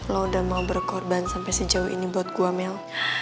lo udah mau berkorban sampai sejauh ini buat gua mel